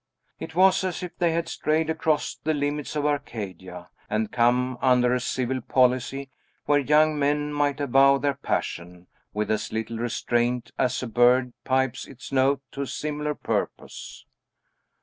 It was as if they had strayed across the limits of Arcadia; and come under a civil polity where young men might avow their passion with as little restraint as a bird pipes its note to a similar purpose.